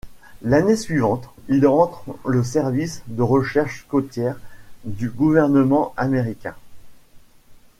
L’année suivante, il entre le service de recherche côtière du gouvernement américain.